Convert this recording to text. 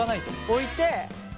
置いて。